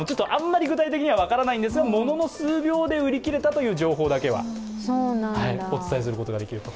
具体的には分からないんですがものの数秒で売り切れたという情報だけはお伝えすることができると。